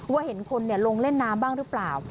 เห็นคนลงเล่นน้ำบ้างหรือเปล่า